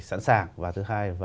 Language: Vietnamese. sẵn sàng và thứ hai